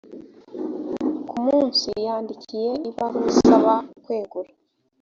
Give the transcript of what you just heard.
ku munsi yandikiye ibaruwa isaba kwegura